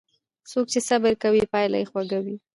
څوک چې صبر کوي، پایله یې خوږه وي.